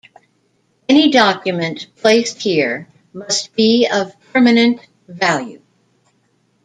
Any document placed here must be of permanent value.